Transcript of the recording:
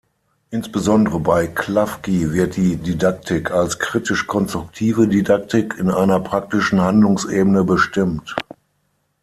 Insbesondere bei Klafki wird die Didaktik als „kritisch-konstruktive Didaktik“ in einer praktischen Handlungsebene bestimmt.